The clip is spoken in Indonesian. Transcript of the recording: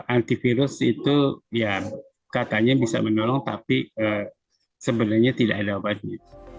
antivirus itu ya katanya bisa menolong tapi sebenarnya tidak ada obatnya